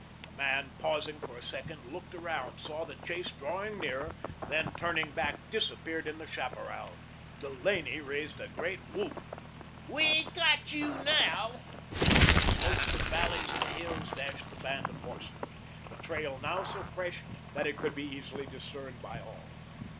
The man, pausing for a second looked around, saw the chase drawing nearer, then, turning back, disappeared in the chaparral. Delaney raised a great whoop. "We've got you now." Into the slopes and valleys of the hills dashed the band of horsemen, the trail now so fresh that it could be easily discerned by all.